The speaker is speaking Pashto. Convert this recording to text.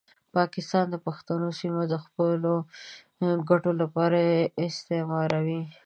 پاکستان د پښتنو سیمه د خپلو ګټو لپاره استثماروي.